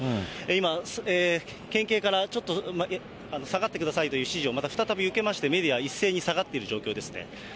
今、県警からちょっと下がってくださいという指示をまた再び受けまして、メディアは一斉にまた下がっている状況ですね。